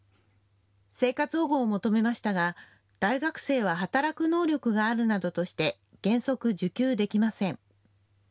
生活保護を求めましたが大学生は働く能力があるなどとして原則、受給できません。